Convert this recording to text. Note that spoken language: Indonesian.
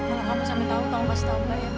kalau kamu sampai tahu tahu pasti tahu mbak